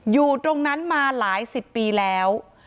อยู่ตรงนั้นมาหลายสิบปีแล้ว